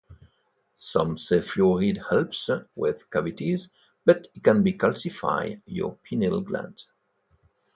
Some say fluoride helps with cavities but it can calcify your pineal gland